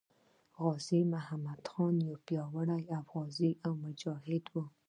غازي محمد جان خان یو پیاوړی غازي او مجاهد وو.